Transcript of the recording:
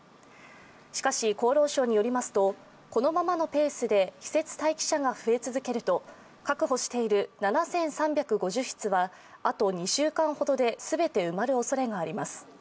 しかし、厚労省によりますとこのままのペースで施設待機者が増え続けると確保している７３５０室はあと２週間ほどで全て埋まるおそれがあります。